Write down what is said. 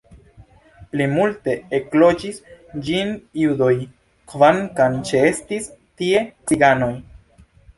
Plimulte ekloĝis ĝin judoj, kvankam ĉeestis tie ciganoj.